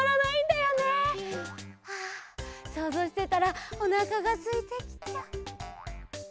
あそうぞうしてたらおなかがすいてきた。